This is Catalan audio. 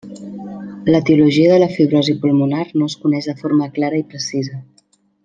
L'etiologia de la fibrosi pulmonar no es coneix de forma clara i precisa.